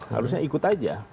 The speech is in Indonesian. harusnya ikut saja